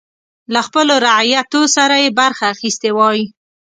له خپلو رعیتو سره یې برخه اخیستې وای.